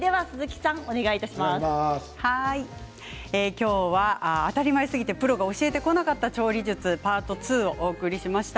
今日は当たり前すぎてプロが教えてこなかった調理術パート２をお送りしました。